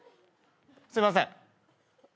すいません。